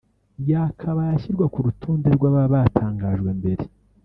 yakabaye ashyirwa ku rutonde rw’ababa batangajwe mbere